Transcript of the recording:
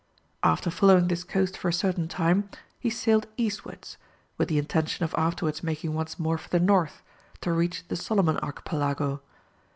After following this coast for a certain time, he sailed eastwards, with the intention of afterwards making once more for the north, to reach the Solomon Archipelago.